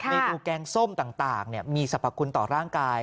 เมนูแกงส้มต่างมีสรรพคุณต่อร่างกาย